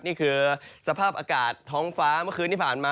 นี่คือสภาพอากาศท้องฟ้าเมื่อคืนที่ผ่านมา